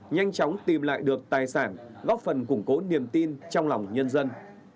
nhanh chóng tìm lại được tài sản góp phần củng cố niềm tin trong lòng nhân dân